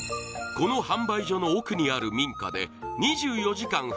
この販売所の奥にある民家で２４時間